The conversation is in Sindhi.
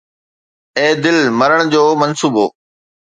اي دل، مرڻ جو منصوبو